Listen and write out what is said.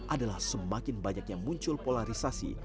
adalah semakin banyak yang muncul polarisasi